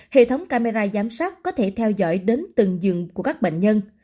hệ thống camera giám sát có thể theo dõi đến từng giường của các bệnh nhân